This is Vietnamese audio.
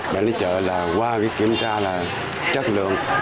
bên đấy chợ là qua kiểm tra là chất lượng